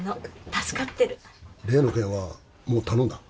助かってる例の件はもう頼んだ？